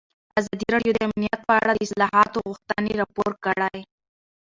ازادي راډیو د امنیت په اړه د اصلاحاتو غوښتنې راپور کړې.